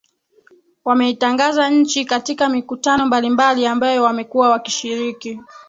Wameitangaza nchi katika mikutano mbalimbali ambayo wamekuwa wakishiriki